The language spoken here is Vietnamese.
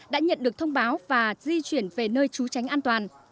đã nhận được thông báo và di chuyển về nơi trú tránh an toàn